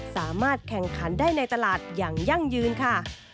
สามารถแข่งขันได้ในตลาดอย่างยั่งยืนค่ะ